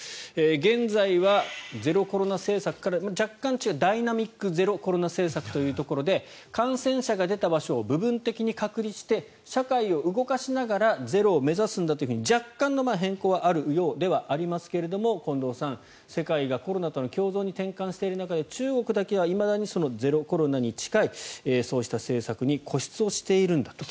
現在はゼロコロナ政策から若干違うダイナミック・ゼロコロナ政策ということで感染者が出た場所を部分的に隔離して社会を動かしながら感染者ゼロを目指すんだというところで近藤さん、世界がコロナとの共存に転換している中で中国だけはいまだにゼロコロナに近い政策に固執をしているんだと。